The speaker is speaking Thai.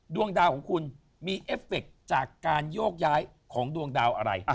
ดวงดาวของคุณมีเอฟเฟคจากการโยกย้ายของดวงดาวอะไร